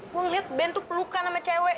gua ngeliat ben tuh pelukan sama cewek